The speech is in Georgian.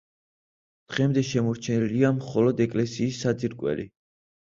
დღემდე შემორჩენილია მხოლოდ ეკლესიის საძირკველი.